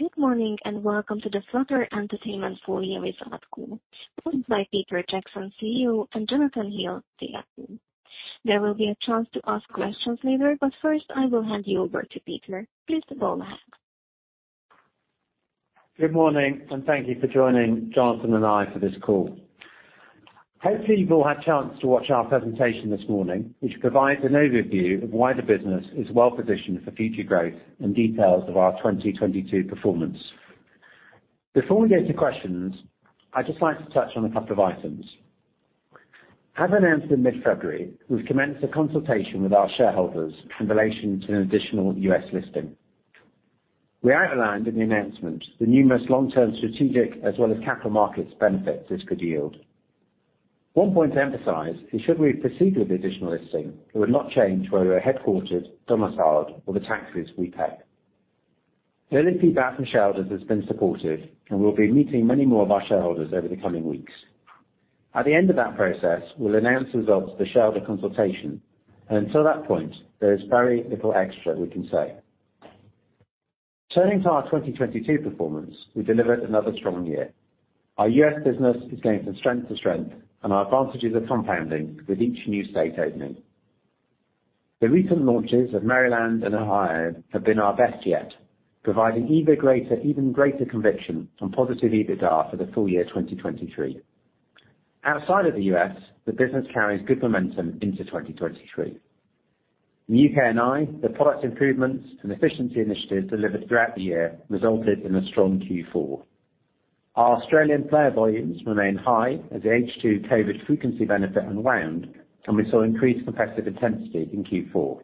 Good morning, and welcome to the Flutter Entertainment full-year results call, brought by Peter Jackson, CEO, and Jonathan Hill, CFO. There will be a chance to ask questions later. First, I will hand you over to Peter. Please go ahead. Good morning. Thank you for joining Jonathan and I for this call. Hopefully, you've all had a chance to watch our presentation this morning, which provides an overview of why the business is well-positioned for future growth and details of our 2022 performance. Before we go to questions, I'd just like to touch on a couple of items. As announced in mid-February, we've commenced a consultation with our shareholders in relation to an additional U.S. listing. We outlined in the announcement the numerous long-term strategic as well as capital markets benefits this could yield. One point to emphasize is should we proceed with the additional listing, it would not change where we are headquartered, domiciled, or the taxes we pay. The early feedback from shareholders has been supportive, and we'll be meeting many more of our shareholders over the coming weeks. At the end of that process, we'll announce the results of the shareholder consultation, and until that point, there is very little extra we can say. Turning to our 2022 performance, we delivered another strong year. Our U.S. business is going from strength to strength, and our advantages are compounding with each new state opening. The recent launches of Maryland and Ohio have been our best yet, providing even greater conviction on positive EBITDA for the full year 2023. Outside of the U.S., the business carries good momentum into 2023. In U.K. and I, the product improvements and efficiency initiatives delivered throughout the year resulted in a strong Q4. Our Australian player volumes remained high as the H2 COVID frequency benefit unwound. We saw increased competitive intensity in Q4.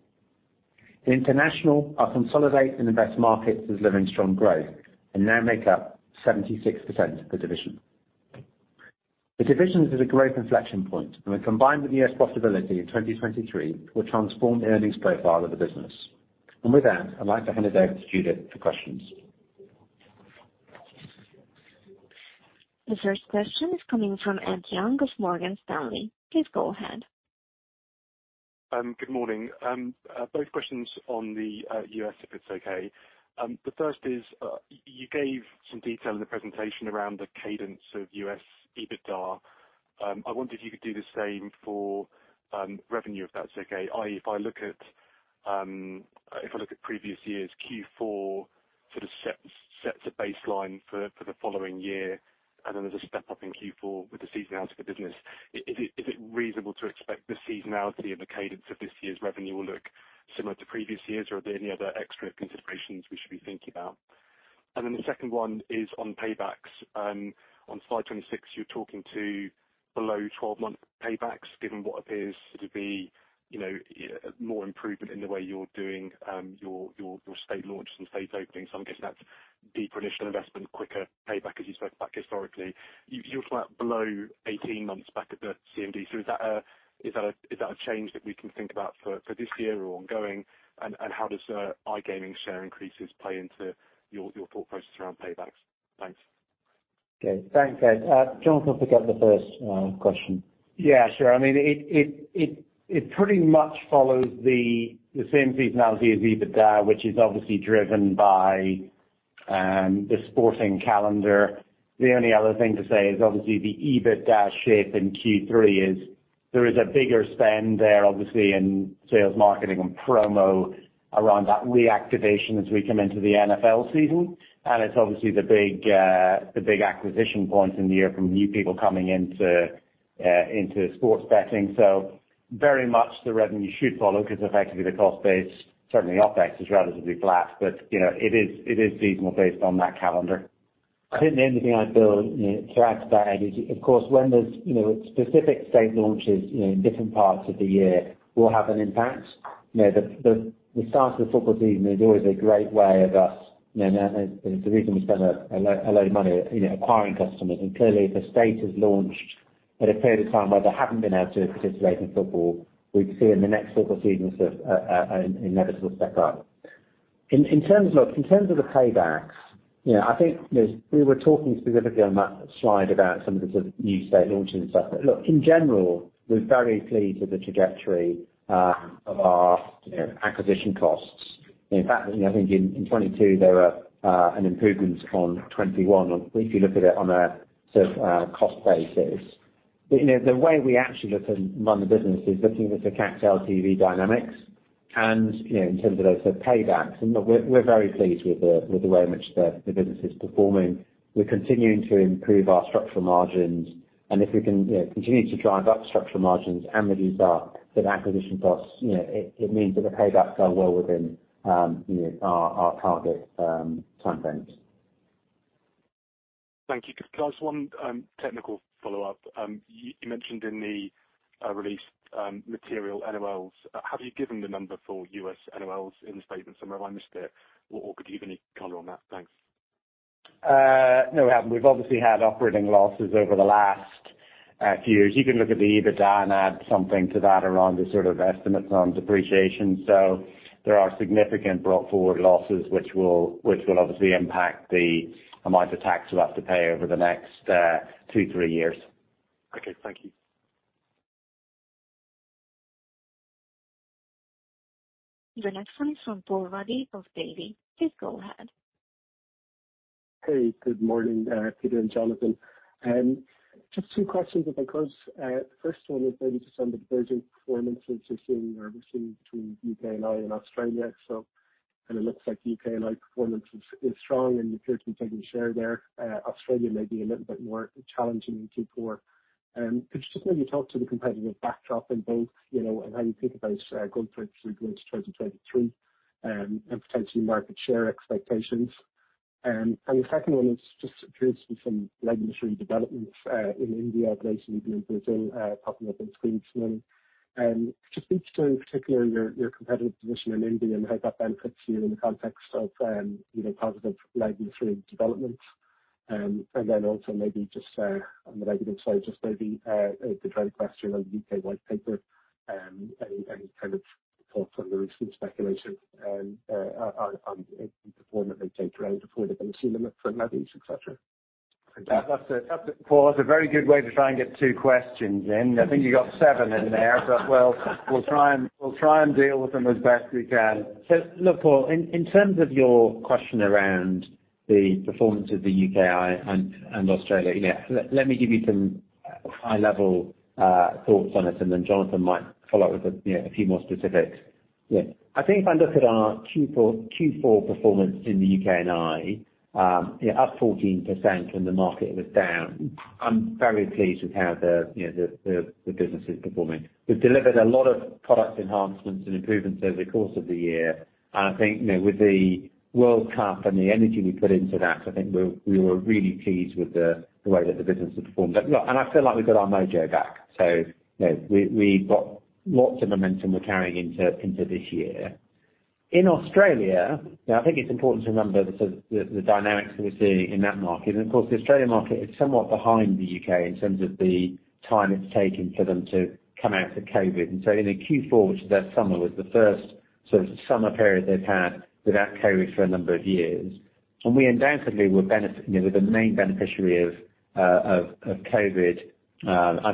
In international, our Consolidate and Invest markets is delivering strong growth and now make up 76% of the division. The divisions is a great inflection point, and when combined with the U.S. profitability in 2023, will transform the earnings profile of the business. With that, I'd like to hand it over to Judith for questions. The first question is coming from Ed Young of Morgan Stanley. Please go ahead. Good morning. Both questions on the U.S., if it's okay. The first is, you gave some detail in the presentation around the cadence of U.S. EBITDA. I wonder if you could do the same for revenue, if that's okay. If I look at previous years' Q4 sort of sets a baseline for the following year, and then there's a step-up in Q4 with the seasonality of the business. Is it reasonable to expect the seasonality and the cadence of this year's revenue will look similar to previous years, or are there any other extra considerations we should be thinking about? The second one is on paybacks. On slide 26, you're talking to below 12-month paybacks, given what appears to be, you know, more improvement in the way you're doing, your state launches and state openings. I'm guessing that's deeper initial investment, quicker payback as you spoke about historically. You were talking about below 18 months back at the CMD, is that a change that we can think about for this year or ongoing? How does iGaming share increases play into your thought process around paybacks? Thanks. Okay. Thanks, Ed. Jonathan can get the first question. Yeah, sure. I mean, it pretty much follows the same seasonality as EBITDA, which is obviously driven by the sporting calendar. The only other thing to say is obviously the EBITDA shape in Q3 is there is a bigger spend there, obviously, in sales, marketing, and promo around that reactivation as we come into the NFL season. It's obviously the big acquisition point in the year from new people coming into sports betting. Very much the revenue should follow because effectively the cost base, certainly OPEX, is relatively flat, but you know, it is seasonal based on that calendar. I don't think anything I'd build to add to that is of course, when there's, you know, specific state launches in different parts of the year will have an impact. You know, the, the start of the football season is always a great way of us, you know, it's a reason we spend a load of money, you know, acquiring customers. Clearly, if a state has launched at a period of time where they haven't been able to participate in football, we'd see in the next football season an inevitable step up. In terms of the paybacks, you know, I think we were talking specifically on that slide about some of the sort of new state launches and stuff. Look, in general, we're very pleased with the trajectory of our, you know, acquisition costs. In fact, you know, I think in 2022, there were an improvement from 2021 if you look at it on a sort of, cost basis. You know, the way we actually look and run the business is looking at the CAC LTV dynamics and, you know, in terms of those paybacks. Look, we're very pleased with the, with the way in which the business is performing. We're continuing to improve our structural margins. If we can, you know, continue to drive up structural margins and reduce our, sort of, acquisition costs, you know, it means that the paybacks are well within, you know, our target, time frames. Thank you. Can I ask one technical follow-up? You mentioned in the release material NOLs. Have you given the number for U.S. NOLs in the statement somewhere? Have I missed it or could you give any color on that? Thanks. No, we haven't. We've obviously had operating losses over the last few years. You can look at the EBITDA and add something to that around the sort of estimates on depreciation. There are significant brought forward losses which will obviously impact the amount of tax we'll have to pay over the next two, three years. Okay. Thank you. The next one is from Paul Ruddy of Davy. Please go ahead. Hey, good morning, Peter and Jonathan. Just two questions if I could. The first one is maybe just on the divergent performances you're seeing or between U.K. and Ireland, Australia. Kind of looks like UK and Ireland performance is strong and you appear to be taking share there. Australia may be a little bit more challenging in Q4. Could you just maybe talk to the competitive backdrop in both, you know, and how you think about going through to 2023 and potentially market share expectations. The second one is just appears to be some regulatory developments in India recently, in Brazil, popping up on screens. Just speak to in particular your competitive position in India and how that benefits you in the context of, you know, positive regulatory developments. Also maybe just on the regulatory side, just maybe the dry question on U.K. White Paper, any kind of thoughts on the recent speculation on the form that may take around before the policy limit for levies, et cetera. That's Paul, that's a very good way to try and get two questions in. I think you got seven in there, but we'll try and deal with them as best we can. Look, Paul, in terms of your question around the performance of the U.K.I and Australia, you know, let me give you some high level thoughts on it and then Jonathan might follow up with a, you know, a few more specifics. I think if I look at our Q4 performance in the U.K. and Ireland, up 14% when the market was down, I'm very pleased with how the, you know, the business is performing. We've delivered a lot of product enhancements and improvements over the course of the year. I think, you know, with the World Cup and the energy we put into that, I think we were really pleased with the way that the business had performed. Look, I feel like we've got our mojo back. You know, we've got lots of momentum we're carrying into this year. In Australia, now I think it's important to remember the dynamics that we're seeing in that market. Of course, the Australian market is somewhat behind the U.K. in terms of the time it's taken for them to come out of COVID. In Q4, which that summer was the first sort of summer period they've had without COVID for a number of years. We undoubtedly were you know, were the main beneficiary of COVID as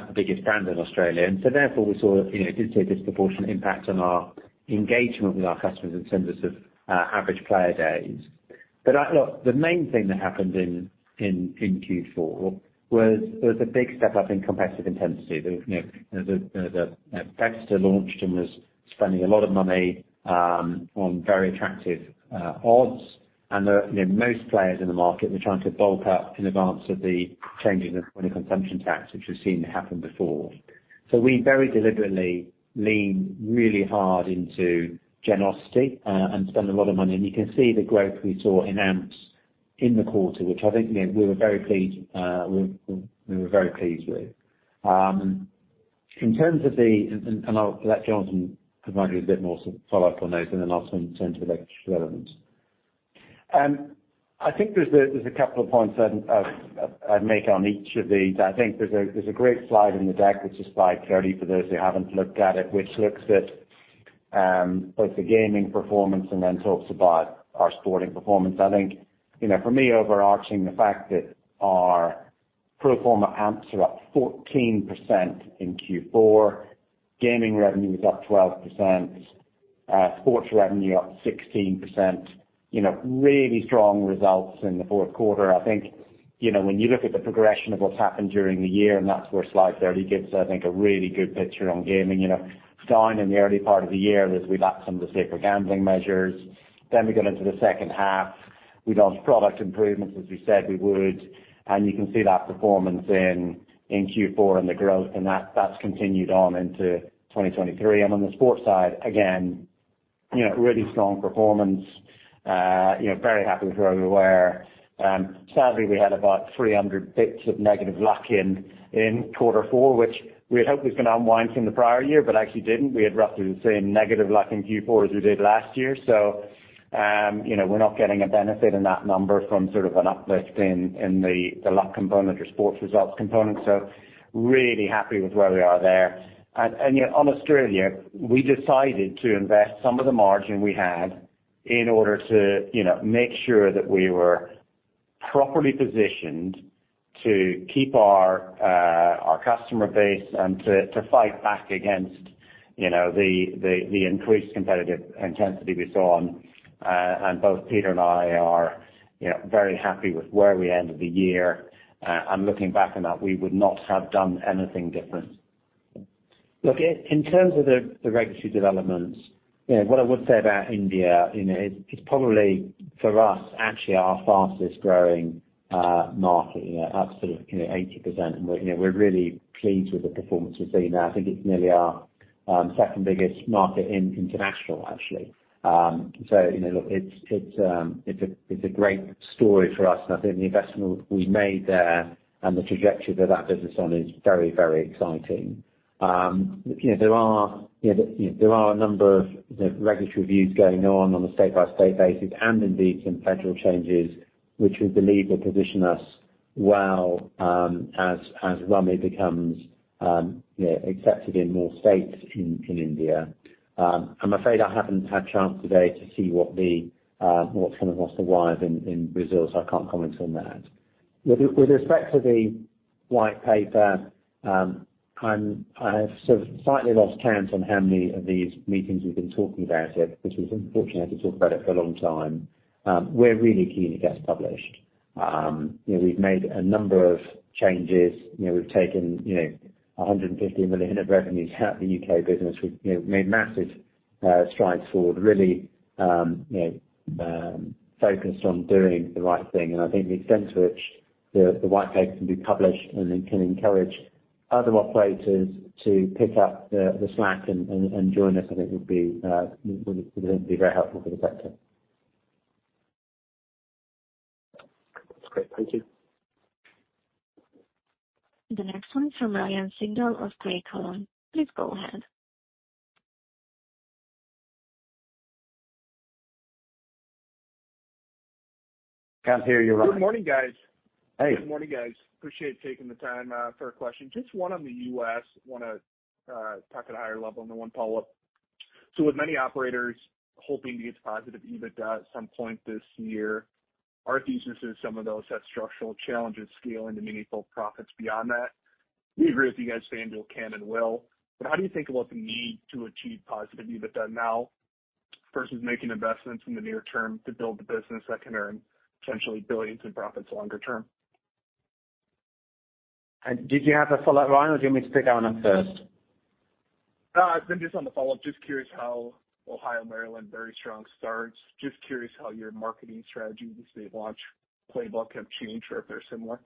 the biggest brand in Australia. Therefore we saw, you know, did see a disproportionate impact on our engagement with our customers in terms of average player days. I look, the main thing that happened in Q4 was a big step up in competitive intensity. You know, the Betstar launched and was spending a lot of money on very attractive odds. You know, most players in the market were trying to bulk up in advance of the changes in point of consumption tax, which we've seen happen before. We very deliberately leaned really hard into generosity and spent a lot of money. You can see the growth we saw in AMPs in the quarter, which I think, you know, we were very pleased, we were very pleased with. In terms of the and I'll let Jonathan provide you a bit more follow up on those and then I'll turn to the regulatory element. I think there's a couple of points I'd make on each of these. I think there's a great slide in the deck, which is slide 30 for those who haven't looked at it, which looks at both the gaming performance and then talks about our sporting performance. I think, you know, for me, overarching the fact that our pro forma AMPs are up 14% in Q4, gaming revenue is up 12%, sports revenue up 16%, you know, really strong results in the 4th quarter. I think, you know, when you look at the progression of what's happened during the year, and that's where slide 30 gives, I think, a really good picture on gaming. You know, down in the early part of the year as we lacked some of the safer gambling measures. We got into the second half. We launched product improvements, as we said we would. You can see that performance in Q4 and the growth, that's continued on into 2023. On the sports side, again, you know, really strong performance, you know, very happy with where we were. Sadly, we had about 300 bits of negative luck in Q4, which we had hoped was going to unwind from the prior year, but actually didn't. We had roughly the same negative luck in Q4 as we did last year. You know, we're not getting a benefit in that number from sort of an uplift in the luck component or sports results component. Really happy with where we are there. Yeah, on Australia, we decided to invest some of the margin we had in order to, you know, make sure that we were properly positioned to keep our customer base and to fight back against, you know, the increased competitive intensity we saw on both Peter and I are, you know, very happy with where we ended the year. Looking back on that, we would not have done anything different. Look, in terms of the regulatory developments, you know, what I would say about India, you know, it's probably for us, actually our fastest growing market, you know, up to, you know, 80%. We're, you know, we're really pleased with the performance we've seen. I think it's nearly our second biggest market in international actually. You know, look, it's a great story for us, and I think the investment we made there and the trajectory that that business on is very, very exciting. You know, there are, you know, there are a number of, you know, regulatory views going on on a state-by-state basis and indeed some federal changes which we believe will position us well, as rummy becomes, you know, accepted in more states in India. I'm afraid I haven't had a chance today to see what the wires in Brazil, so I can't comment on that. With respect to the White Paper, I have sort of slightly lost count on how many of these meetings we've been talking about it, which we've been fortunate to talk about it for a long time. We're really keen to get it published. You know, we've made a number of changes. You know, we've taken, you know, 150 million of revenues out of the U.K. business. We've, you know, made massive strides forward, really, you know, focused on doing the right thing. I think the extent to which the White Paper can be published and then can encourage other operators to pick up the slack and join us, I think would then be very helpful for the sector. That's great. Thank you. The next one is from Ryan Sigdahl of Craig-Hallum. Please go ahead. Can't hear you, Ryan. Good morning, guys. Hey. Good morning, guys. Appreciate you taking the time, for a question. Just one on the U.S., wanna talk at a higher level and then one follow-up. With many operators hoping to get to positive EBITDA at some point this year, our thesis is some of those have structural challenges scaling to meaningful profits beyond that. We agree with you guys, FanDuel can and will. How do you think about the need to achieve positive EBITDA now versus making investments in the near term to build the business that can earn potentially billions in profits longer term? Did you have a follow-up, Ryan, or do you want me to pick on that first? Just on the follow-up, just curious how Ohio, Maryland, very strong starts. Just curious how your marketing strategy since the launch playbook have changed or if they're similar?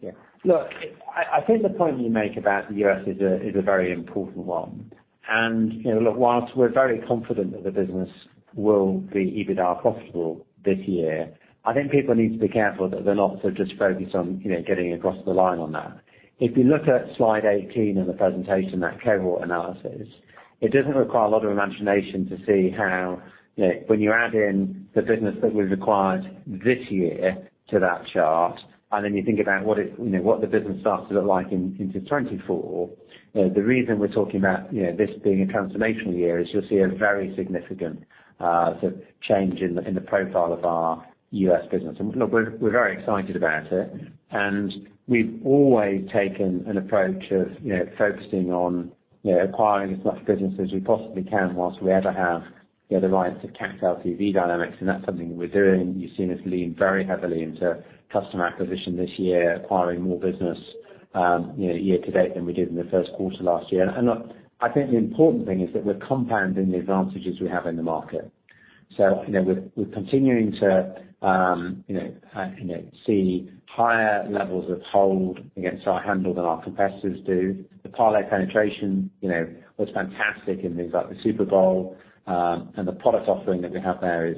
Yeah. Look, I think the point you make about the U.S. is a very important one. You know, look, whilst we're very confident that the business will be EBITDA profitable this year, I think people need to be careful that they're not sort of just focused on, you know, getting across the line on that. If you look at slide 18 in the presentation, that cohort analysis, it doesn't require a lot of imagination to see how, you know, when you add in the business that we've acquired this year to that chart, and then you think about what it, you know, what the business starts to look like in, into 2024. The reason we're talking about, you know, this being a transformational year is you'll see a very significant sort of change in the profile of our U.S. business. Look, we're very excited about it. We've always taken an approach of, you know, focusing on, you know, acquiring as much business as we possibly can whilst we ever have, you know, the rights to CAC LTV dynamics, and that's something that we're doing. You've seen us lean very heavily into customer acquisition this year, acquiring more business, you know, year to date than we did in the first quarter last year. I think the important thing is that we're compounding the advantages we have in the market. You know, we're continuing to, you know, you know, see higher levels of hold against our handle than our competitors do. The parlay penetration, you know, was fantastic in things like the Super Bowl. The product offering that we have there is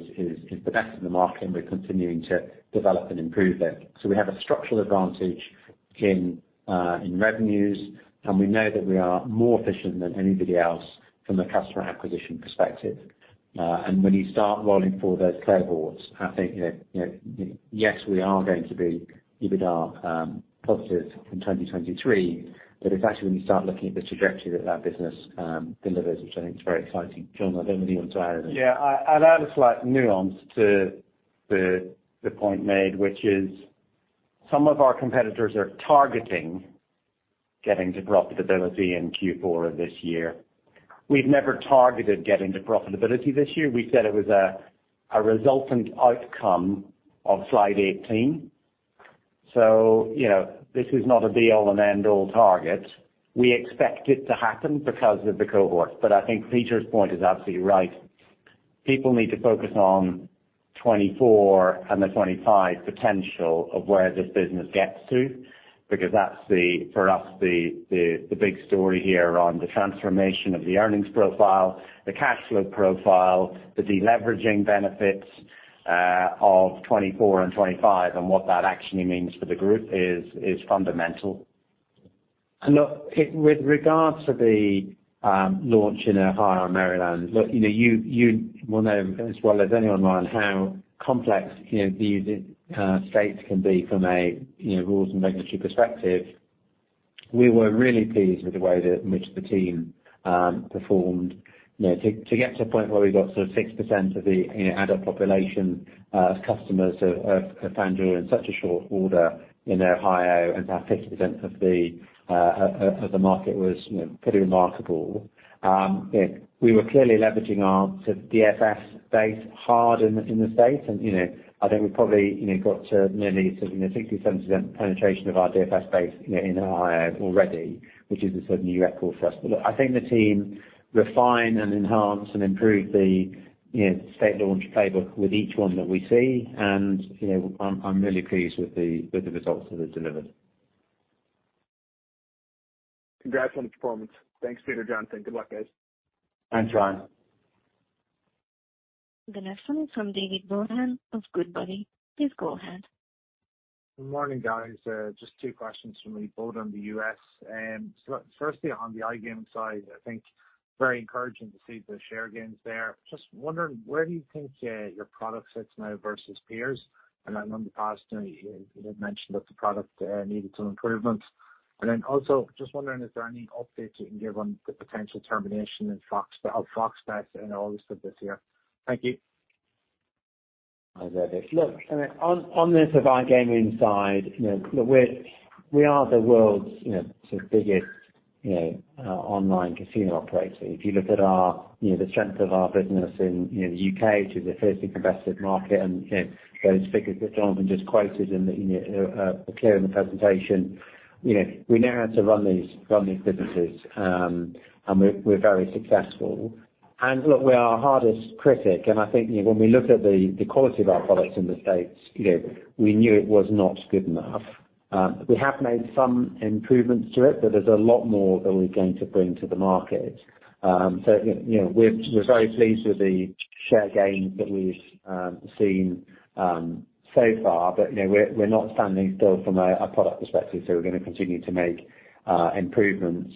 the best in the market, and we're continuing to develop and improve it. We have a structural advantage in revenues, and we know that we are more efficient than anybody else from a customer acquisition perspective. When you start rolling forward those cohorts, I think, you know, yes, we are going to be EBITDA positive in 2023. It's actually when you start looking at the trajectory that business delivers, which I think is very exciting. Jonathan, I don't know if you want to add anything. Yeah. I'd add a slight nuance to the point made, which is some of our competitors are targeting getting to profitability in Q4 of this year. We've never targeted getting to profitability this year. We said it was a resultant outcome of slide 18. You know, this is not a be all and end all target. We expect it to happen because of the cohorts, but I think Peter's point is absolutely right. People need to focus on 24 and the 25 potential of where this business gets to, because that's the, for us, the, the big story here on the transformation of the earnings profile, the cash flow profile, the deleveraging benefits of 24 and 25, and what that actually means for the group is fundamental. Look, with regards to the launch in Ohio and Maryland. Look, you know, you will know as well as anyone, Ryan, how complex, you know, these states can be from a, you know, rules and regulatory perspective. We were really pleased with the way in which the team performed. You know, to get to a point where we got sort of 6% of the, you know, adult population as customers of FanDuel in such a short order in Ohio and about 50% of the market was, you know, pretty remarkable. You know, we were clearly leveraging our sort of DFS base hard in the States. You know, I think we probably, you know, got to nearly sort of, you know, 60%, 70% penetration of our DFS base, you know, in Ohio already, which is a sort of new record for us. Look, I think the team refine and enhance and improve the, you know, state launch playbook with each one that we see. You know, I'm really pleased with the, with the results that they've delivered. Congrats on the performance. Thanks, Peter, Jonathan. Good luck, guys. Thanks, Ryan. The next one is from David Brohan of Goodbody. Please go ahead. Good morning, guys. Just 2 questions from me, both on the U.S. Firstly, on the iGaming side, I think very encouraging to see the share gains there. Just wondering, where do you think your product sits now versus peers? I know in the past, you know, you had mentioned that the product needed some improvement. Also just wondering, is there any updates you can give on the potential termination in Fox, of FOX Bet and all the stuff this year? Thank you. Hi there, Nick. Look, I mean, on the in-play gaming side, you know, look, we are the world's, you know, sort of biggest, you know, online casino operator. If you look at our, you know, the strength of our business in, you know, the U.K. to the first invested market, and, you know, those figures that Jonathan just quoted and that, you know, are clear in the presentation, you know, we know how to run these businesses, and we're very successful. Look, we are our hardest critic, and I think, you know, when we looked at the quality of our products in the States, you know, we knew it was not good enough. We have made some improvements to it, but there's a lot more that we're going to bring to the market. You know, we're very pleased with the share gains that we've seen so far, but, you know, we're not standing still from a product perspective, so we're gonna continue to make improvements,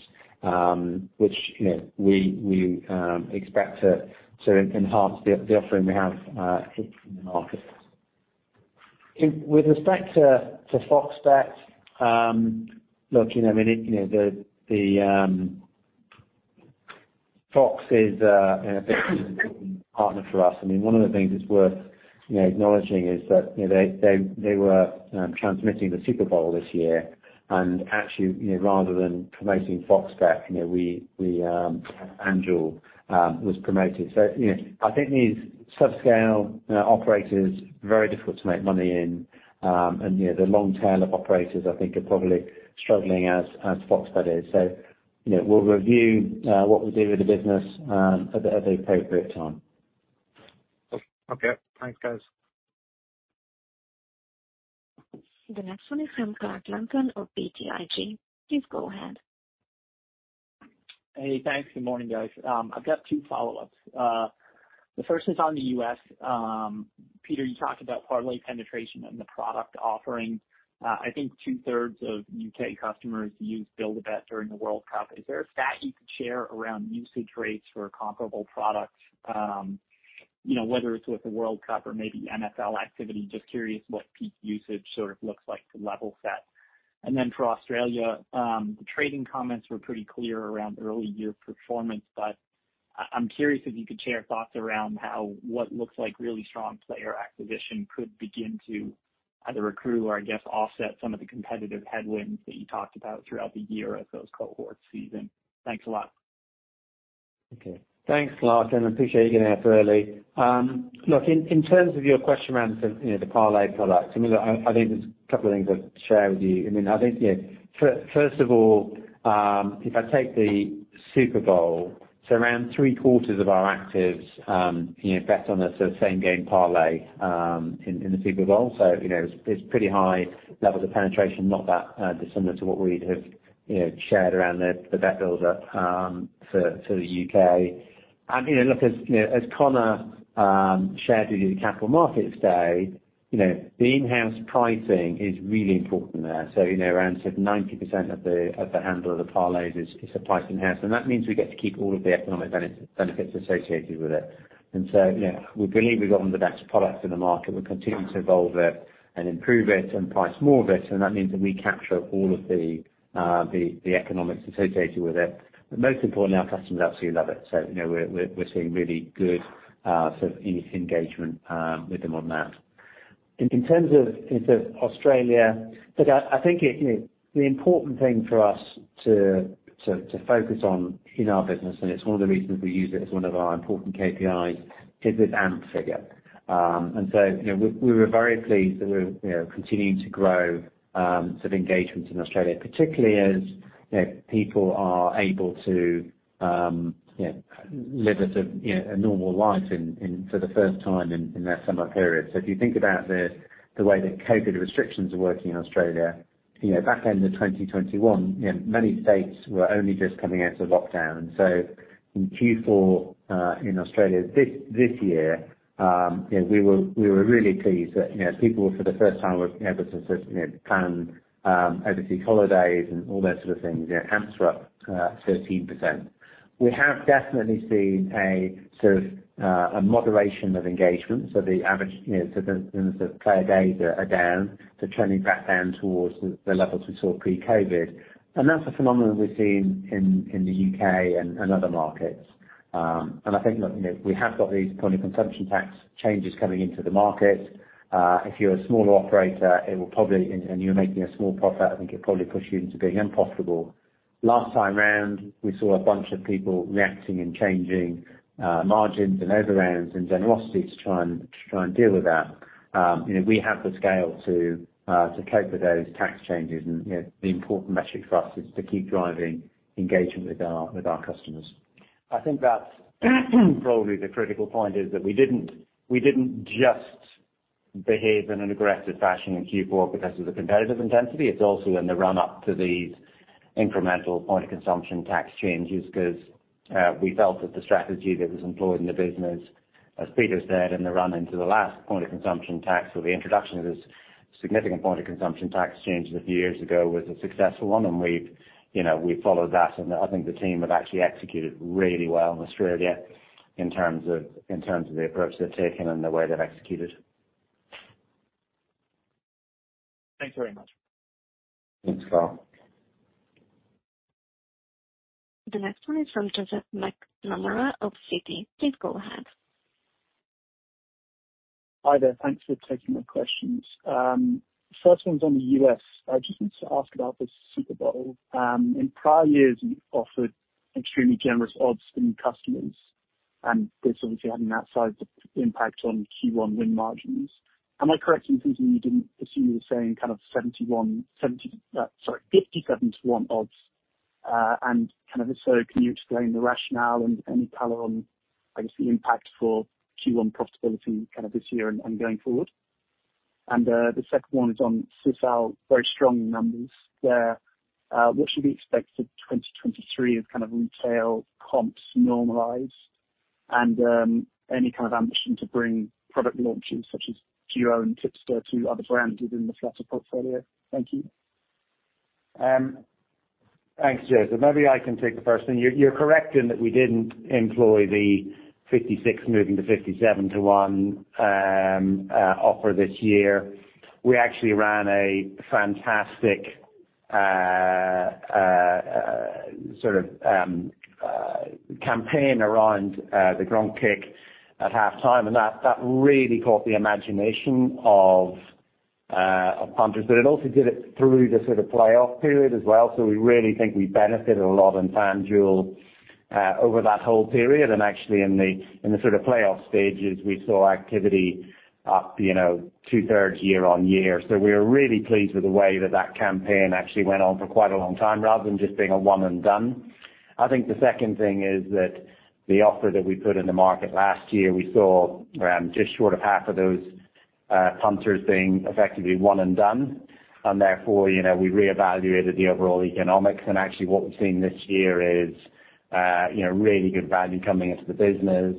which, you know, we expect to enhance the offering we have in the market. With respect to FOX Bet, look, you know, I mean, it, you know, the... Fox is, you know, a big partner for us. I mean, one of the things that's worth, you know, acknowledging is that, you know, they were transmitting the Super Bowl this year, and actually, you know, rather than promoting FOX Bet, you know, we, FanDuel, was promoted. You know, I think these subscale operators, very difficult to make money in, you know, the long tail of operators I think are probably struggling as Fox Bet is. You know, we'll review what we do with the business at the appropriate time. Okay. Thanks, guys. The next one is from Clark Lampen of BTIG. Please go ahead. Hey, thanks. Good morning, guys. I've got 2 follow-ups. The first is on the U.S. Peter, you talked about parlay penetration and the product offerings. I think two-thirds of U.K. customers use BuildABet during the World Cup. Is there a stat you could share around usage rates for comparable products? You know, whether it's with the World Cup or maybe NFL activity, just curious what peak usage sort of looks like to level set. For Australia, the trading comments were pretty clear around early year performance, but I'm curious if you could share thoughts around how what looks like really strong player acquisition could begin to either accrue or I guess, offset some of the competitive headwinds that you talked about throughout the year as those cohorts season. Thanks a lot. Okay. Thanks, Clark, and appreciate you getting out for early. Look, in terms of your question around the, you know, the parlay products, I mean, look, I think there's a couple of things I'd share with you. I mean, I think, you know, first of all, if I take the Super Bowl, so around three-quarters of our actives, you know, bet on a sort of Same Game Parlay in the Super Bowl. You know, it's pretty high levels of penetration, not that dissimilar to what we'd have, you know, shared around the bet builder for the U.K. You know, look, as, you know, as Conor shared with you the Capital Markets Day, you know, the in-house pricing is really important there. You know, around 90% of the handle of the parlays is supplied in-house, and that means we get to keep all of the economic benefits associated with it. you know, we believe we've got one of the best products in the market. We're continuing to evolve it and improve it and price more of it, and that means that we capture all of the economics associated with it. Most importantly, our customers absolutely love it. you know, we're seeing really good sort of engagement with them on that. In terms of Australia, look, I think, you know, the important thing for us to focus on in our business, and it's one of the reasons we use it as one of our important KPIs, is this AMP figure. We, you know, we were very pleased that we're, you know, continuing to grow, sort of engagement in Australia, particularly as, you know, people are able to, you know, live a sort of, you know, a normal life in for the first time in that summer period. If you think about the way the COVID restrictions are working in Australia, you know, back end of 2021, you know, many states were only just coming out of lockdown. In Q4, in Australia this year, we were really pleased that people for the first time were able to plan overseas holidays and all those things. AMPs were up 13%. We have definitely seen a moderation of engagement. The average player days are down, trending back down towards the levels we saw pre-COVID. That's a phenomenon we've seen in the U.K. and other markets. I think we have got these point of consumption tax changes coming into the market. If you're a smaller operator, and you're making a small profit, I think it'll probably push you into being impossible. Last time around, we saw a bunch of people reacting and changing, margins and overruns and generosity to try and deal with that. You know, we have the scale to cope with those tax changes and, you know, the important metric for us is to keep driving engagement with our customers. I think that's probably the critical point, is that we didn't just behave in an aggressive fashion in Q4 because of the competitive intensity. It's also in the run-up to these incremental point of consumption tax changes, 'cause we felt that the strategy that was employed in the business, as Peter said, in the run into the last point of consumption tax or the introduction of this significant point of consumption tax change a few years ago, was a successful one, and we've, you know, we followed that, and I think the team have actually executed really well in Australia in terms of the approach they've taken and the way they've executed. Thanks very much. Thanks, Clark. The next one is from Joseph McNamara of Citi. Please go ahead. Hi there. Thanks for taking my questions. First one's on the U.S. I just need to ask about the Super Bowl. In prior years you offered extremely generous odds to new customers, and this obviously had an outsized impact on Q1 win margins. Am I correct in thinking this year you're saying 71, 70, sorry, 57 to 1 odds, if so, can you explain the rationale and any color on, I guess, the impact for Q1 profitability this year and going forward? The second one is on Sisal very strong numbers there. What should we expect for 2023 as retail comps normalize and any ambition to bring product launches such as DUO and Tipster to other brands within the Flutter portfolio? Thank you. Thanks, Joseph. Maybe I can take the first thing. You're correct in that we didn't employ the 56 moving to 57 to 1 offer this year. We actually ran a fantastic campaign around the ground kick at halftime, and that really caught the imagination of punters. It also did it through the sort of playoff period as well. We really think we benefited a lot in FanDuel over that whole period. Actually in the sort of playoff stages, we saw activity up, you know, 2/3 year-on-year. We're really pleased with the way that that campaign actually went on for quite a long time rather than just being a one and done. I think the second thing is that the offer that we put in the market last year, we saw, just short of half of those, punters being effectively one and done, and therefore, you know, we reevaluated the overall economics. Actually what we've seen this year is, you know, really good value coming into the business.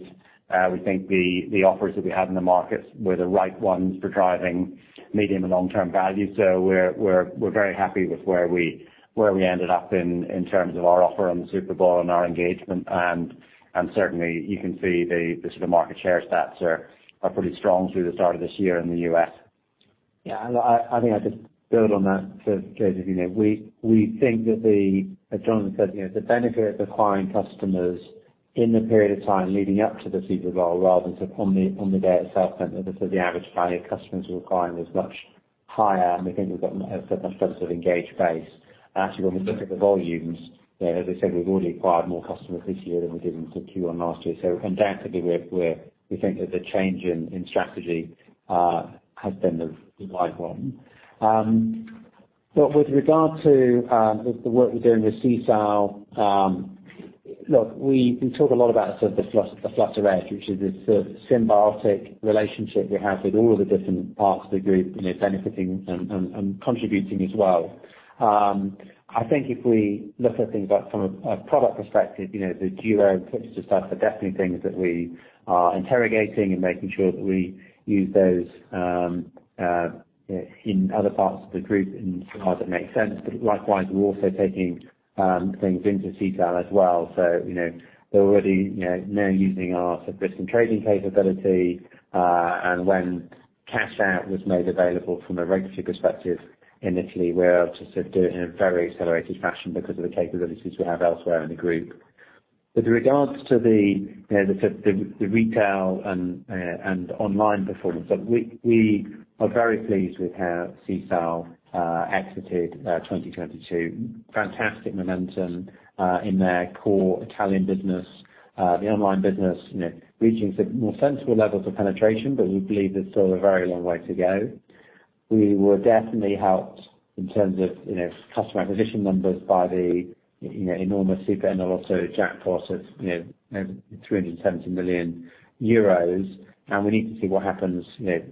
We think the offers that we had in the markets were the right ones for driving medium and long-term value. We're very happy with where we ended up in terms of our offer on the Super Bowl and our engagement. Certainly you can see the sort of market share stats are pretty strong through the start of this year in the U.S. I think I'd just build on that, Joseph, you know, we think that as Jonathan said, you know, the benefit of acquiring customers in the period of time leading up to the Super Bowl rather than on the day itself meant that the sort of the average value of customers we were acquiring was much higher, and we think we've got a much better sort of engaged base. Actually, when we look at the volumes, you know, as I said, we've already acquired more customers this year than we did in Q1 last year. Anecdotally, we think that the change in strategy has been the right one. With regard to the work we're doing with Sisal, look, we talk a lot about sort of the Flutter, the Flutter act, which is this sort of symbiotic relationship we have with all of the different parts of the group, you know, benefiting and contributing as well. I think if we look at things like from a product perspective, you know, the duty puts us, are definitely things that we are interrogating and making sure that we use those, you know, in other parts of the group in parts that make sense. Likewise, we're also taking things into Sisal as well. You know, they're already, you know, now using our sort of risk and trading capability, and when cash out was made available from a regulatory perspective in Italy, we were able to sort of do it in a very accelerated fashion because of the capabilities we have elsewhere in the group. With regards to the, you know, the sort of the retail and online performance, look, we are very pleased with how Sisal exited 2022. Fantastic momentum in their core Italian business, the online business, you know, reaching some more sensible levels of penetration, but we believe there's still a very long way to go. We were definitely helped in terms of, you know, customer acquisition numbers by the, you know, enormous SuperEnalotto jackpot that's, you know, 370 million euros. We need to see what happens, you know,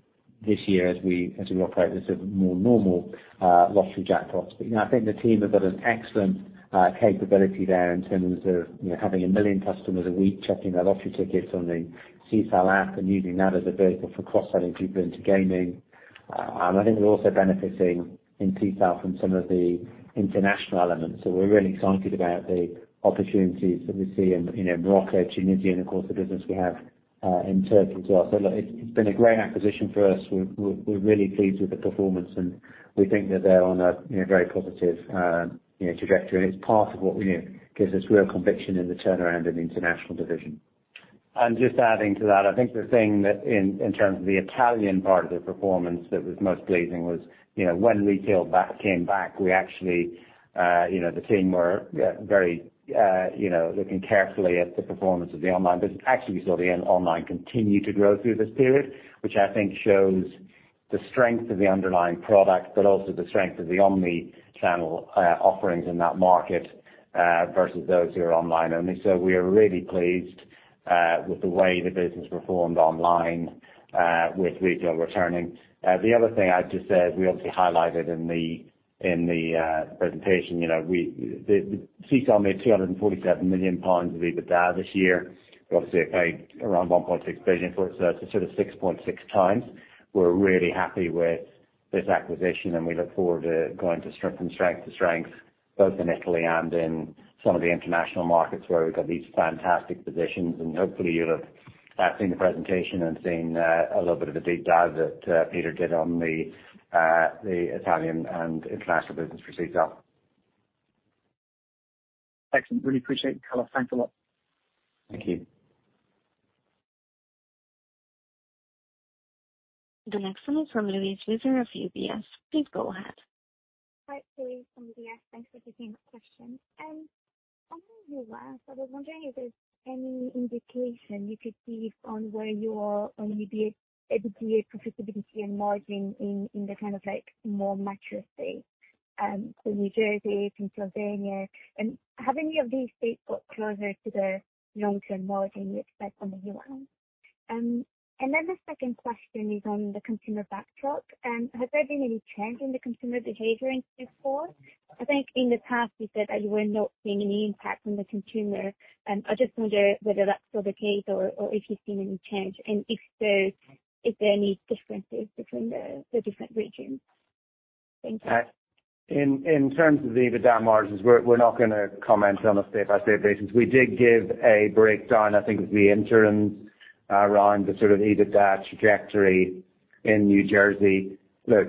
this year as we operate with sort of more normal lottery jackpots. You know, I think the team have got an excellent capability there in terms of, you know, having 1 million customers a week checking their lottery tickets on the Sisal app and using that as a vehicle for cross-selling people into gaming. I think we're also benefiting in Sisal from some of the international elements. We're really excited about the opportunities that we see in, you know, Morocco, Tunisia, and of course, the business we have in Turkey as well. Look, it's been a great acquisition for us. We're really pleased with the performance, and we think that they're on a, you know, very positive, you know, trajectory. It's part of what we, you know, gives us real conviction in the turnaround in the international division. Just adding to that, I think the thing that in terms of the Italian part of the performance that was most pleasing was, you know, when retail came back, we actually, you know, the team were very, you know, looking carefully at the performance of the online business. Actually, we saw the online continue to grow through this period, which I think shows the strength of the underlying product, but also the strength of the omni-channel offerings in that market versus those who are online only. We are really pleased with the way the business performed online with retail returning. The other thing I'd just say is we obviously highlighted in the presentation, you know, Sisal made 247 million pounds of EBITDA this year. We obviously paid around 1.6 billion for it. It's a sort of 6.6x. We're really happy with this acquisition. We look forward to going to strength from strength to strength. Both in Italy and in some of the international markets where we've got these fantastic positions, and hopefully you'll have seen the presentation and seen a little bit of a deep dive that Peter did on the Italian and international business for Sisal. Excellent. Really appreciate the color. Thanks a lot. Thank you. The next one is from Louise Wiseur of UBS. Please go ahead. Hi, Louise from UBS. Thanks for taking the question. On the U.S., I was wondering if there's any indication you could give on where you are on EBITDA profitability and margin in the kind of like more mature state, so New Jersey, Pennsylvania. Have any of these states got closer to the long-term margin you expect on the U.S.? The second question is on the consumer backdrop. Has there been any change in the consumer behavior in Q4? I think in the past you said that you were not seeing any impact from the consumer. I just wonder whether that's still the case or if you've seen any change, and if there are any differences between the different regions. Thank you. In terms of the EBITDA margins, we're not gonna comment on a state-by-state basis. We did give a breakdown, I think, at the interim, around the sort of EBITDA trajectory in New Jersey. Look,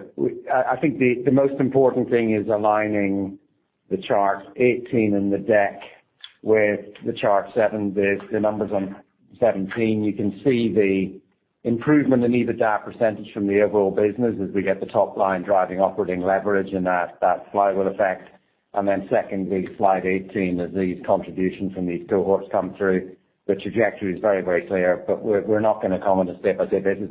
I think the most important thing is aligning the chart 18 in the deck with the chart seven, the numbers on 17. You can see the improvement in EBITDA percent from the overall business as we get the top line driving operating leverage and that flywheel effect. Secondly, slide 18, as these contributions from these cohorts come through, the trajectory is very, very clear. We're not gonna comment on a state-by-state basis.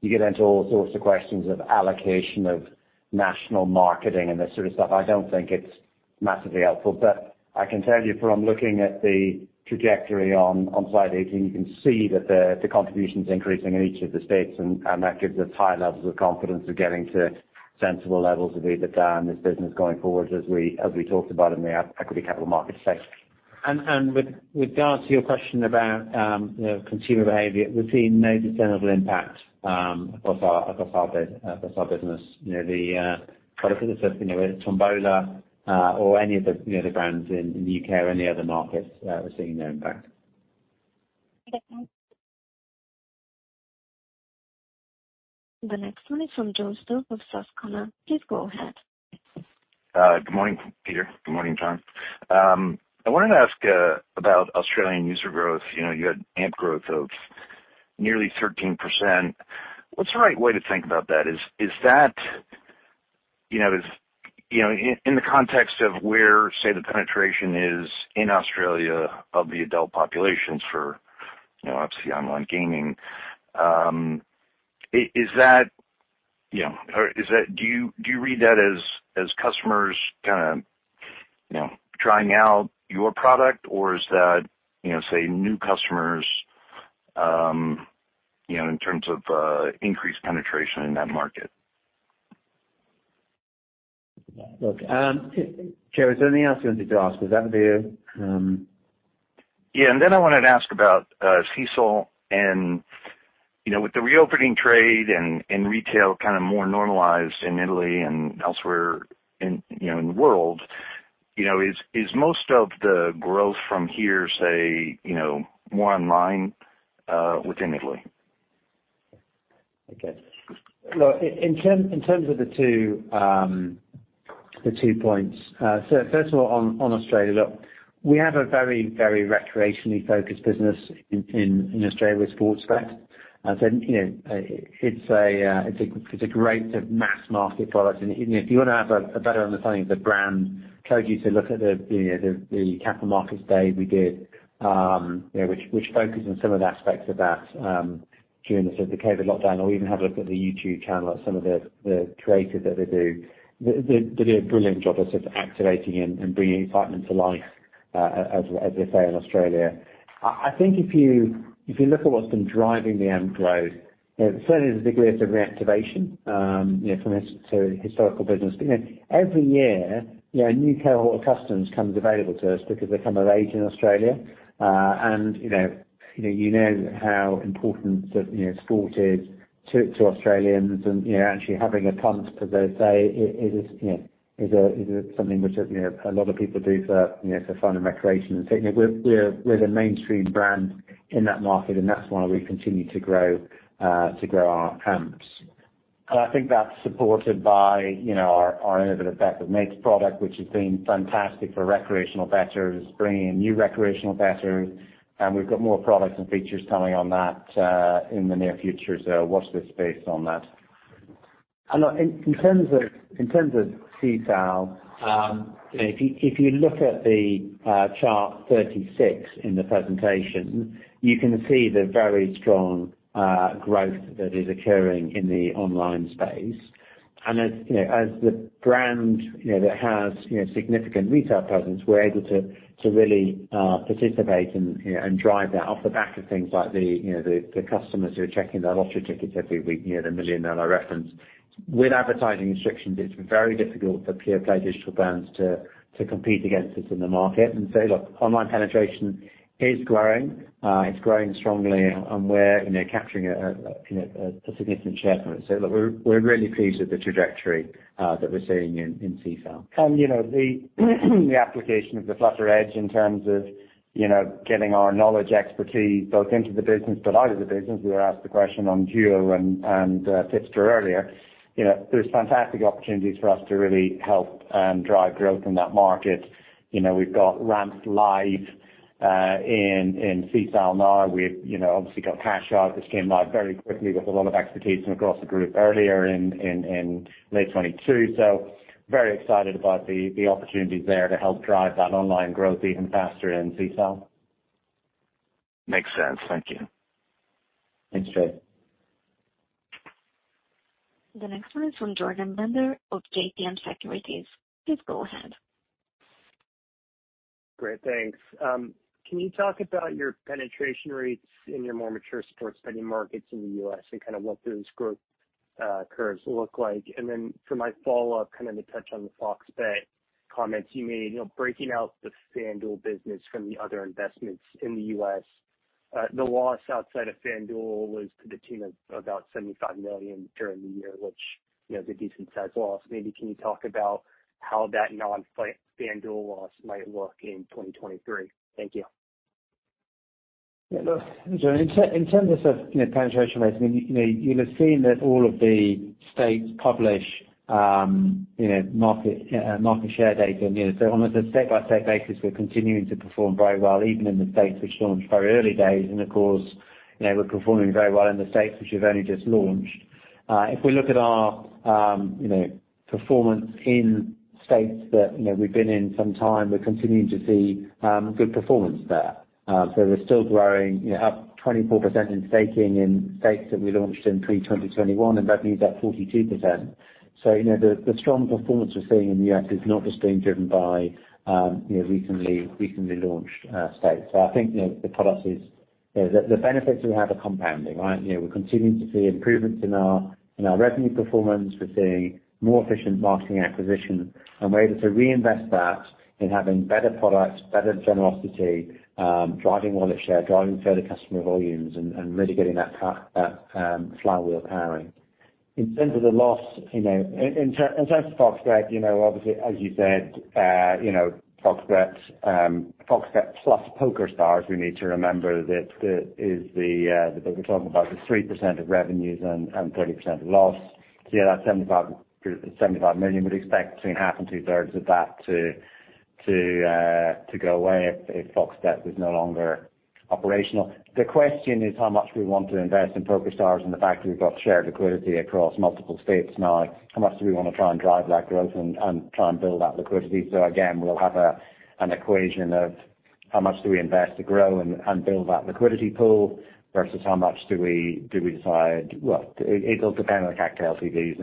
You get into all sorts of questions of allocation of national marketing and this sort of stuff. I don't think it's massively helpful. I can tell you from looking at the trajectory on slide 18, you can see that the contribution's increasing in each of the states and that gives us high levels of confidence of getting to sensible levels of EBITDA in this business going forward, as we talked about in the equity capital markets day. With regards to your question about, you know, consumer behavior, we've seen no discernible impact across our business. You know, the whether it's Tombola or any of the, you know, the brands in U.K. or any other markets, we're seeing no impact. Okay, thanks. The next one is from Joe Stauff of Susquehanna. Please go ahead. Good morning, Peter. Good morning, John. I wanted to ask about Australian user growth. You know, you had AMP growth of nearly 13%. What's the right way to think about that? Is that, you know, in the context of where, say, the penetration is in Australia of the adult populations for, you know, obviously iGaming, is that, you know, or is that, do you read that as customers kinda, you know, trying out your product, or is that, you know, say, new customers, you know, in terms of increased penetration in that market? Look, Joe, is there anything else you wanted to ask? Was that the... Yeah. Then I wanted to ask about Sisal and, you know, with the reopening trade and retail kind of more normalized in Italy and elsewhere in, you know, in the world, you know, is most of the growth from here, say, you know, more online within Italy? Okay. Look, in terms of the two, the two points. First of all, on Australia, look, we have a very, very recreationally focused business in Australia with Sportsbet. You know, it's a, it's a great sort of mass market product. You know, if you wanna have a better understanding of the brand, encourage you to look at the capital markets day we did, you know, which focused on some of the aspects of that during the sort of the COVID lockdown or even have a look at the YouTube channel at some of the creators that they do. They do a brilliant job of sort of activating and bringing excitement to life as they say in Australia. I think if you look at what's been driving the AMP growth, you know, certainly there's a degree of sort of reactivation, you know, to historical business. Every year, you know, a new cohort of customers comes available to us because they come of age in Australia, and, you know, you know, you know how important, you know, sport is to Australians and, you know, actually having a punt, as they say, is, you know, is a, is something which, you know, a lot of people do for, you know, for fun and recreation. We're the mainstream brand in that market, and that's why we continue to grow to grow our AMPs. I think that's supported by, you know, our innovative Bet with Mates product, which has been fantastic for recreational bettors, bringing in new recreational bettors, and we've got more products and features coming on that in the near future. Watch this space on that. Look, in terms of, in terms of Sisal, you know, if you, if you look at the chart 36 in the presentation, you can see the very strong growth that is occurring in the online space. As, you know, as the brand, you know, that has, you know, significant retail presence, we're able to really participate and, you know, and drive that off the back of things like the, you know, the customers who are checking their lottery tickets every week near the million that I referenced. With advertising restrictions, it's very difficult for pure play digital brands to compete against us in the market. Look, online penetration is growing, it's growing strongly and we're, you know, capturing a, you know, a significant share from it. Look, we're really pleased with the trajectory that we're seeing in Sisal. You know, the application of the Flutter Edge in terms of, you know, getting our knowledge expertise both into the business but out of the business. We were asked the question on DUO and Tipster earlier. You know, there's fantastic opportunities for us to really help drive growth in that market. You know, we've got ramps live in Sisal now. We've, you know, obviously got cash out, which came live very quickly with a lot of expertise from across the group earlier in late 2022. Very excited about the opportunities there to help drive that online growth even faster in Sisal. Makes sense. Thank you. Thanks, Joe. The next one is from Jordan Bender of JMP Securities. Please go ahead. Great. Thanks. Can you talk about your penetration rates in your more mature sports betting markets in the U.S. and kind of what those growth curves look like? For my follow-up, kind of to touch on the Fox Bet comments you made, you know, breaking out the FanDuel business from the other investments in the U.S., the loss outside of FanDuel was to the tune of about $75 million during the year, which, you know, is a decent sized loss. Maybe can you talk about how that non-FanDuel loss might look in 2023? Thank you. Yeah, look, in terms of, you know, penetration rates, I mean, you know, you'll have seen that all of the states publish, you know, market share data. On a state by state basis, we're continuing to perform very well, even in the states which launched very early days. Of course, you know, we're performing very well in the states which we've only just launched. If we look at our, you know, performance in states that, you know, we've been in some time, we're continuing to see good performance there. We're still growing, you know, up 24% in staking in states that we launched in pre 2021, and revenue is up 42%. You know, the strong performance we're seeing in the US is not just being driven by, you know, recently launched states. I think, you know, the product is, you know, the benefits we have are compounding, right? You know, we're continuing to see improvements in our revenue performance. We're seeing more efficient marketing acquisition, and we're able to reinvest that in having better products, better generosity, driving wallet share, driving further customer volumes and really getting that flywheel powering. In terms of the loss, you know, in terms of Fox Bet, you know, obviously as you said, you know, Fox Bet, Fox Bet plus PokerStars, we need to remember that is the that we're talking about the 3% of revenues and 30% of loss. Yeah, that 75 million would expect between half and two thirds of that to go away if Fox Bet is no longer operational. The question is how much we want to invest in PokerStars and the fact that we've got shared liquidity across multiple states now. How much do we want to try and drive that growth and try and build that liquidity? Again, we'll have an equation of how much do we invest to grow and build that liquidity pool versus how much do we decide. It'll depend on the local TVs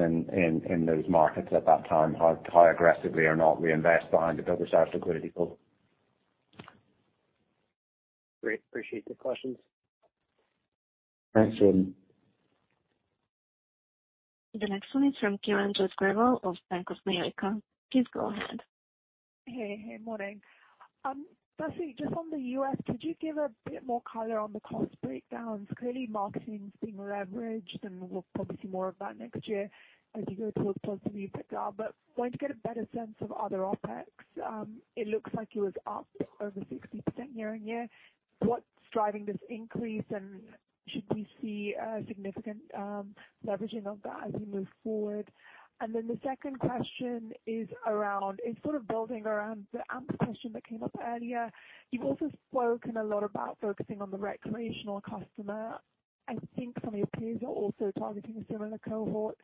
in those markets at that time, how aggressively or not we invest behind the PokerStars liquidity pool. Great. Appreciate the questions. Thanks, Jordan. The next one is from Kiranjot Grewal of Bank of America. Please go ahead. Hey. Hey, morning. Lastly just on the U.S., could you give a bit more color on the cost breakdowns? Clearly, marketing's being leveraged, and we'll probably see more of that next year as you go towards possibly pick up. Wanted to get a better sense of other OPEX. It looks like it was up over 60% year-over-year. What's driving this increase, and should we see a significant leveraging of that as we move forward? The second question is it's sort of building around the AMP question that came up earlier. You've also spoken a lot about focusing on the recreational customer. I think some of your peers are also targeting a similar cohort.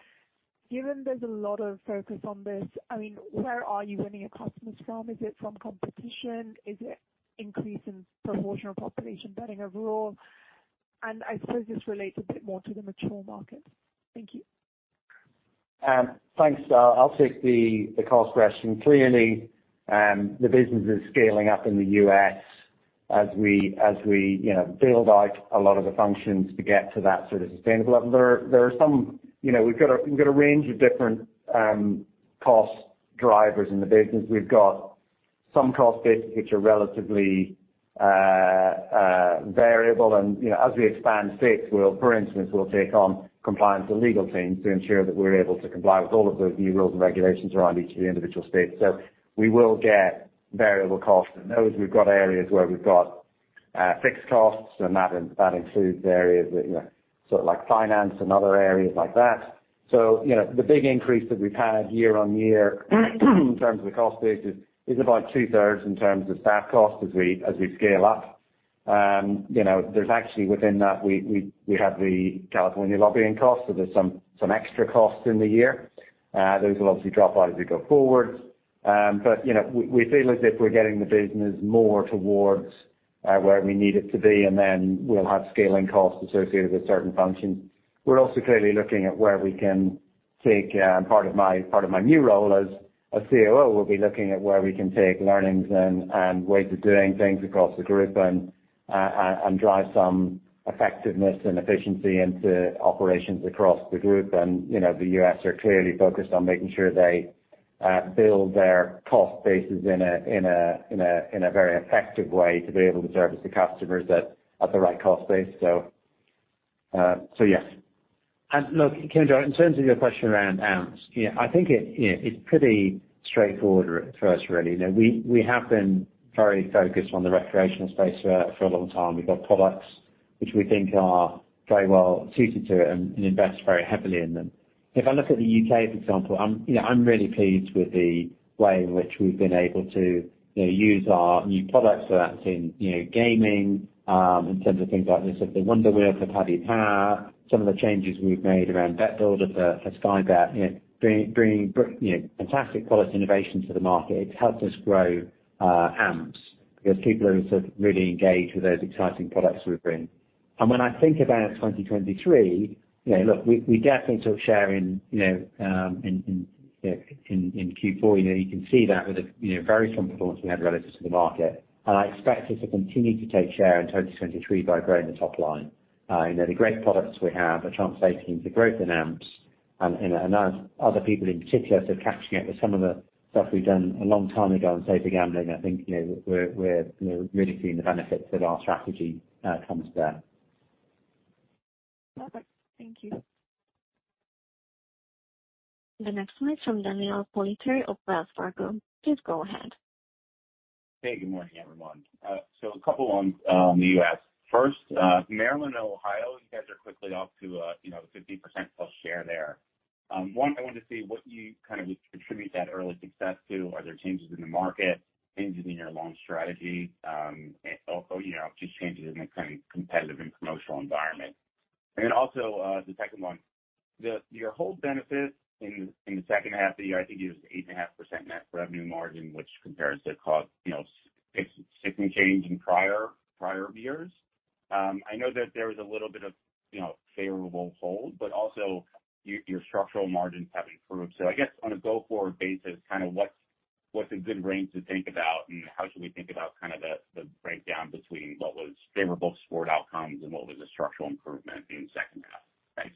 Given there's a lot of focus on this, I mean, where are you winning your customers from? Is it from competition? Is it increase in proportional population betting overall? I suppose this relates a bit more to the mature markets. Thank you. Thanks. I'll take the cost question. Clearly, the business is scaling up in the US as we, you know, build out a lot of the functions to get to that sort of sustainable level. There are some, you know, we've got a range of different cost drivers in the business. We've got some cost bases which are relatively variable. You know, as we expand states, we'll, for instance, take on compliance and legal teams to ensure that we're able to comply with all of the new rules and regulations around each of the individual states. We will get variable costs in those. We've got areas where we've got fixed costs, and that includes areas that, you know, sort of like finance and other areas like that. You know, the big increase that we've had year-over-year in terms of the cost basis is about two-thirds in terms of staff costs as we scale up. you know, there's actually within that we have the California lobbying costs, so there's some extra costs in the year. those will obviously drop out as we go forward. you know, we feel as if we're getting the business more towards where we need it to be, and then we'll have scaling costs associated with certain functions. We're also clearly looking at where we can take, part of my new role as COO, we'll be looking at where we can take learnings and ways of doing things across the group and drive some effectiveness and efficiency into operations across the group. You know, the U.S. are clearly focused on making sure they build their cost bases in a very effective way to be able to service the customers at the right cost base. Yes. Look, Grewal, in terms of your question around AMPs, you know, I think it, you know, it's pretty straightforward for us, really. You know, we have been very focused on the recreational space for a long time. We've got products which we think are very well suited to it and invest very heavily in them. If I look at the UK, for example, you know, I'm really pleased with the way in which we've been able to, you know, use our new products for that in, you know, gaming, in terms of the Wonder Wheel for Paddy Power, some of the changes we've made around Bet Builder for Sky Bet. You know, bringing, you know, fantastic quality innovation to the market. It's helped us grow our AMPs because people are sort of really engaged with those exciting products we bring. When I think about 2023, you know, look, we definitely sort of sharing, you know, in Q4, you know, you can see that with a, you know, very strong performance we had relative to the market. I expect us to continue to take share in 2023 by growing the top line. you know, the great products we have are translating into growth in AMPs and other people in particular sort of capturing it with some of the stuff we've done a long time ago in safer gambling. I think, you know, we're, you know, really seeing the benefits of our strategy comes to bear. Perfect. Thank you. The next one is from Daniel Politzer of Wells Fargo. Please go ahead. Hey, good morning, everyone. A couple on the U.S. First, Maryland and Ohio, you guys are quickly off to, you know, 50%+ share there. One, I wanted to see what you kind of attribute that early success to. Are there changes in the market, changes in your loan strategy, and also, you know, just changes in the kind of competitive and promotional environment? The second one, your whole benefit in the second half of the year, I think it was 8.5% net revenue margin, which compares to cost, you know, 6% and change in prior years. I know that there was a little bit of, you know, favorable hold, but also your structural margins have improved. I guess on a go-forward basis, kind of what's a good range to think about, and how should we think about kind of the breakdown between what was favorable sport outcomes and what was a structural improvement in second half? Thanks.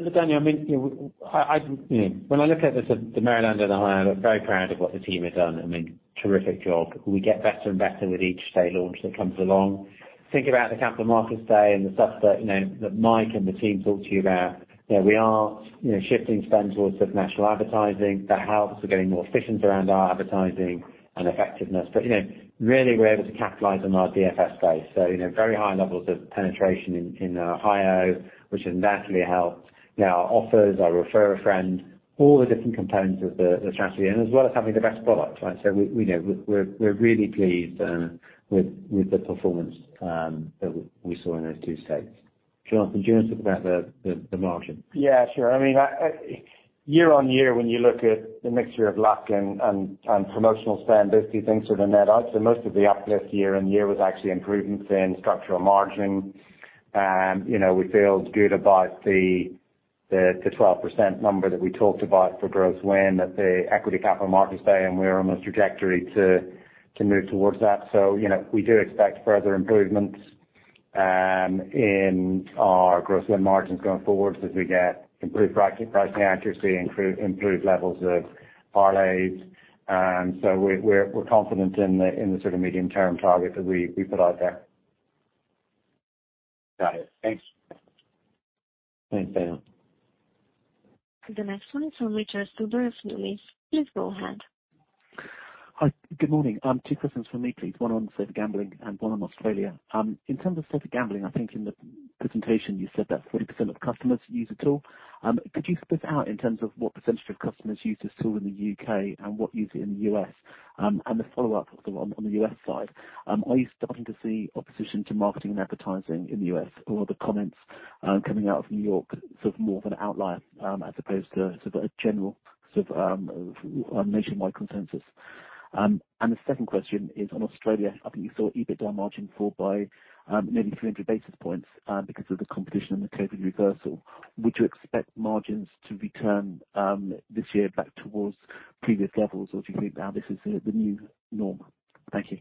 Look, Daniel, I mean, you know, I, you know, when I look at the Maryland and Ohio, I'm very proud of what the team has done. I mean, terrific job. We get better and better with each state launch that comes along. Think about the capital markets day and the stuff that, you know, that Mike and the team talked to you about. You know, we are, you know, shifting spend towards national advertising. That helps. We're getting more efficient around our advertising and effectiveness. Really we're able to capitalize on our DFS base. Very high levels of penetration in Ohio, which has naturally helped. You know, our offers, our refer a friend, all the different components of the strategy, and as well as having the best products, right? We know, we're really pleased with the performance that we saw in those two states. Jonathan, do you want to talk about the margin? Yeah, sure. I mean, year on year, when you look at the mixture of luck and promotional spend, those two things sort of net out. Most of the uplift year on year was actually improvements in structural margin. you know, we feel good about the 12% number that we talked about for gross win at the equity capital markets day, and we're on a trajectory to move towards that. you know, we do expect further improvements in our gross win margins going forward as we get improved pricing accuracy, improved levels of RLA. We're confident in the sort of medium-term target that we put out there. Got it. Thanks. Thanks, Daniel. The next one is from Richard Stuber of Numis. Please go ahead. Hi. Good morning. Two questions for me, please. 1 on safer gambling and 1 on Australia. In terms of safer gambling, I think in the presentation you said that 40% of customers use the tool. Could you split out in terms of what percentage of customers use this tool in the U.K. and what use it in the U.S.? A follow-up on the on the U.S. side, are you starting to see opposition to marketing and advertising in the U.S., or are the comments coming out of New York more of an outlier as opposed to a general nationwide consensus? The second question is on Australia. I think you saw EBITDA margin fall by maybe 300 basis points because of the competition and the COVID reversal. Would you expect margins to return, this year back towards previous levels, or do you think now this is the new norm? Thank you.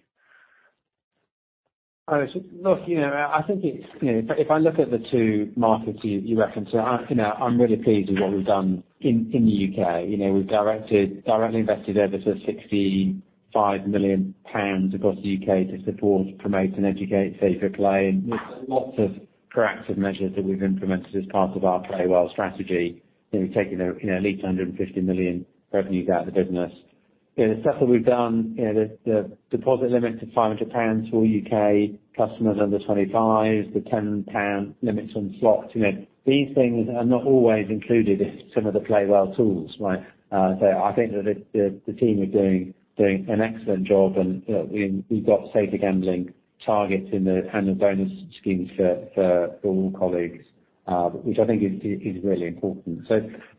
All right. Look, you know, I think it's, you know, if I, if I look at the two markets you referenced there, I, you know, I'm really pleased with what we've done in the U.K. You know, we've directly invested ever sort of 65 million pounds across the U.K. to support, promote, and educate safer play. There's lots of proactive measures that we've implemented as part of our Play Well strategy. You know, we've taken a, you know, a leap to 150 million revenues out of the business. You know, the stuff that we've done, you know, the deposit limit to 500 pounds for all U.K. customers under 25, the 10 pound limits on slots. You know, these things are not always included in some of the Play Well tools, right? I think that the team are doing an excellent job and, you know, we've got safer gambling targets and the bonus schemes for all colleagues, which I think is really important.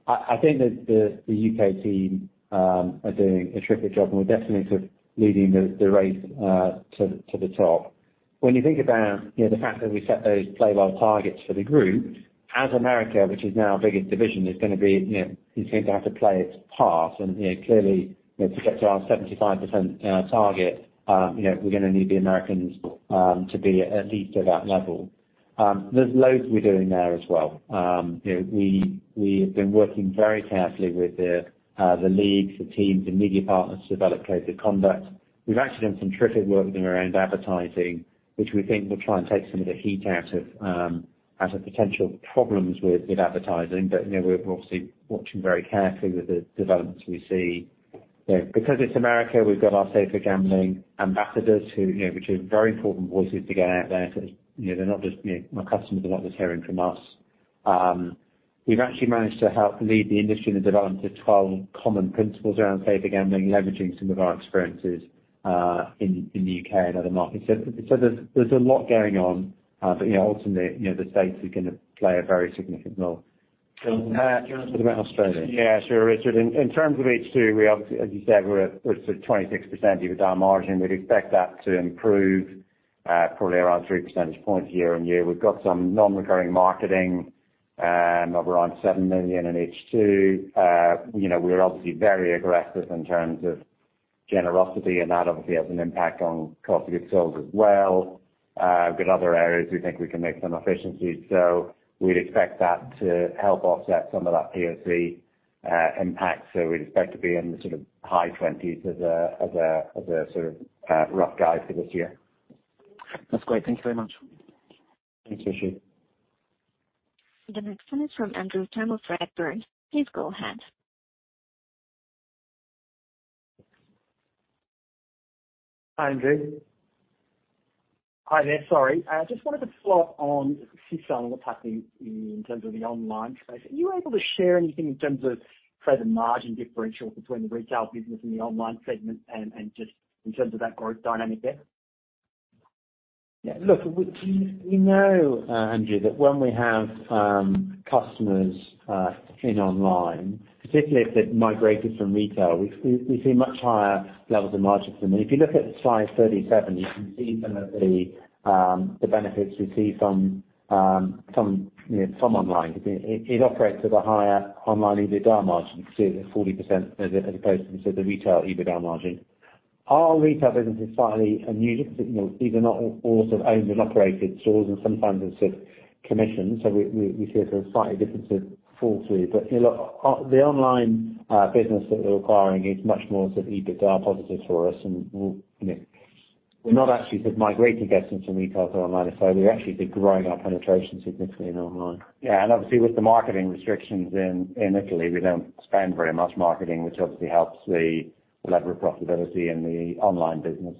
I think that the U.K. team are doing a terrific job, and we're definitely sort of leading the race to the top. When you think about, you know, the fact that we set those Play Well targets for the group, as America, which is now our biggest division, is going to have to play its part, and, you know, clearly, you know, to get to our 75% target, you know, we're gonna need the Americans to be at least at that level. There's loads we're doing there as well. You know, we have been working very carefully with the leagues, the teams, the media partners to develop codes of conduct. We've actually done some terrific work with them around advertising, which we think will try and take some of the heat out of potential problems with advertising. You know, we're obviously watching very carefully with the developments we see. You know, because it's America, we've got our safer gambling ambassadors who, you know, which are very important voices to get out there. You know, they're not just, you know, our customers are not just hearing from us. We've actually managed to help lead the industry in the development of 12 common principles around safer gambling, leveraging some of our experiences in the U.K. and other markets. There's a lot going on, but you know, ultimately, you know, the States are gonna play a very significant role. Jonathan- What about Australia? Sure, Richard. In terms of H2, we obviously, as you said, we're at sort of 26% EBITDA margin. We'd expect that to improve, probably around 3 percentage points year-on-year. We've got some non-recurring marketing of around 7 million in H2. You know, we're obviously very aggressive in terms of generosity, and that obviously has an impact on cost of goods sold as well. We've got other areas we think we can make some efficiencies, so we'd expect that to help offset some of that POC impact, so we'd expect to be in the sort of high 20s as a sort of rough guide for this year. That's great. Thank you very much. Thanks, Richard. The next one is from Andrew Turnbull from Redburn. Please go ahead. Hi, Andrew. Hi there, sorry. I just wanted to follow up on what's happening in terms of the online space. Are you able to share anything in terms of trade and margin differential between the retail business and the online segment and just in terms of that growth dynamic there? Yeah, look, we know Andrew, that when we have customers in online, particularly if they've migrated from retail, we've seen much higher levels of margin from them. If you look at slide 37, you can see some of the benefits we see from, you know, from online. It operates at a higher online EBITDA margin, sort of 40% as opposed to the retail EBITDA margin. Our retail business is slightly unique. You know, these are not all sort of owned and operated stores sometimes it's sort of commission, we see a sort of slightly different sort of fall through. You know, the online business that we're acquiring is much more sort of EBITDA positive for us and we'll, you know... We're not actually sort of migrating guests from retail to online. We actually think growing our penetration significantly in online. Yeah, obviously with the marketing restrictions in Italy, we don't spend very much marketing, which obviously helps the level of profitability in the online business.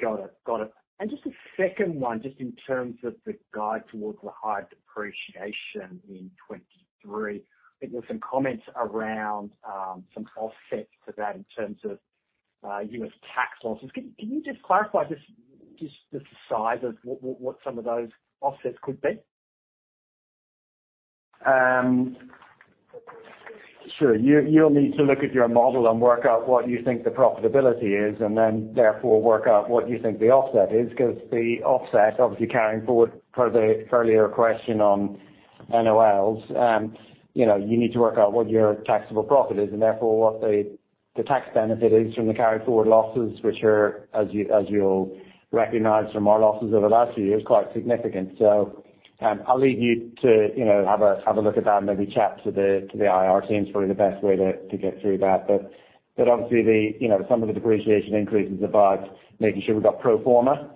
Got it. Got it. Just a second one, just in terms of the guide towards the higher depreciation in 23. I think there were some comments around some offsets to that in terms of U.S. tax losses. Can you just clarify just the size of what some of those offsets could be? Sure. You'll need to look at your model and work out what you think the profitability is and then therefore work out what you think the offset is. Because the offset, obviously carrying forward per the earlier question on NOLs, you know, you need to work out what your taxable profit is and therefore what the tax benefit is from the carry forward losses, which are, as you'll recognize from our losses over the last few years, quite significant. I'll leave you to, you know, have a look at that and maybe chat to the IR teams, probably the best way to get through that. Obviously the, you know, some of the depreciation increase is about making sure we've got pro forma,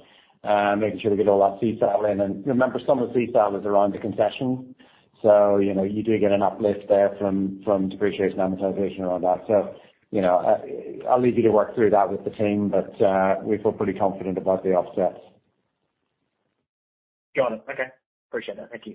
making sure we get all that Sisal in. Remember, some of the Sisal is around the concession. You know, you do get an uplift there from depreciation, amortization and all that. You know, I'll leave you to work through that with the team. We feel pretty confident about the offsets. Got it. Okay. Appreciate it. Thank you.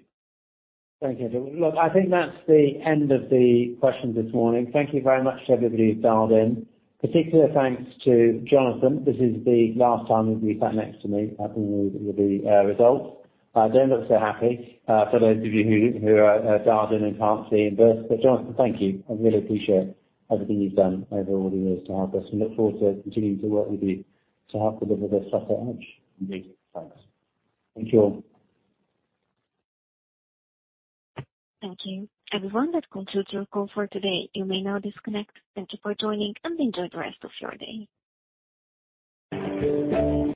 Thank you. Look, I think that's the end of the questions this morning. Thank you very much to everybody who's dialed in. Particular thanks to Jonathan. This is the last time he'll be sat next to me, I believe, with the results. Don't look so happy, for those of you who are dialed in and can't see in person. Jonathan, thank you. I really appreciate everything you've done over all the years to help us, and look forward to continuing to work with you to help deliver this stuff at Edge. Indeed. Thanks. Thank you all. Thank you. Everyone, that concludes your call for today. You may now disconnect. Thank you for joining, and enjoy the rest of your day.